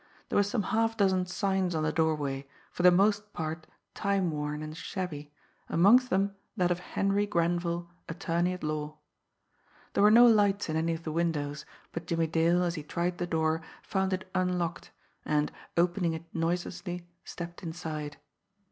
There were some half dozen signs on the doorway, for the most part time worn and shabby, amongst them that of Henry Grenville, Attorney at Law. There were no lights in any of the windows, but Jimmie Dale, as he tried the door, found it unlocked, and, opening it noiselessly, stepped inside.